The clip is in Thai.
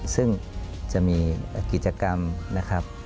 ซึ่งจะมีกิจกรรมนะครับ